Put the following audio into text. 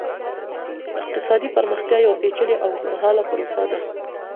اقتصادي پرمختيا يوه پېچلې او اوږدمهاله پروسه ده.